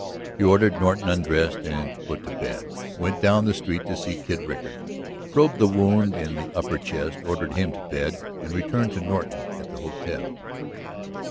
He ordered Norton undressed and put to bed, went down the street to see Kid Rickard, probed the wound in the upper chest, ordered him to bed, and returned to Norton at the hotel.